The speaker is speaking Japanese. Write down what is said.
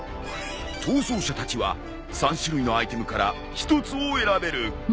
逃走者たちは３種類のアイテムから１つを選べる。